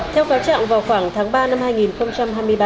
theo pháo trạng vào khoảng tháng ba năm hai nghìn hai mươi ba